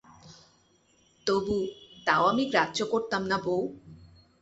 তবু, তাও আমি গ্রাহ্য করতাম না বৌ।